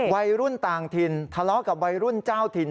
วัยรุ่นต่างถิ่นทะเลาะกับวัยรุ่นเจ้าถิ่น